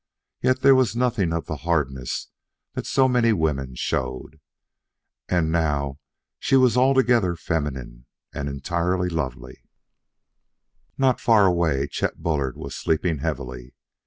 Yet there was nothing of the hardness that so many women showed. And now she was altogether feminine, and entirely lovely. Not far away, Chet Bullard was sleeping heavily.